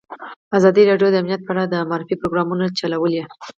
ازادي راډیو د امنیت په اړه د معارفې پروګرامونه چلولي.